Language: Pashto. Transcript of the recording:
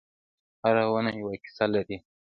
هره ونه یوه کیسه لري.